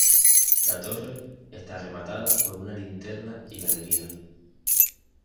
La torre está rematada por una linterna y galería.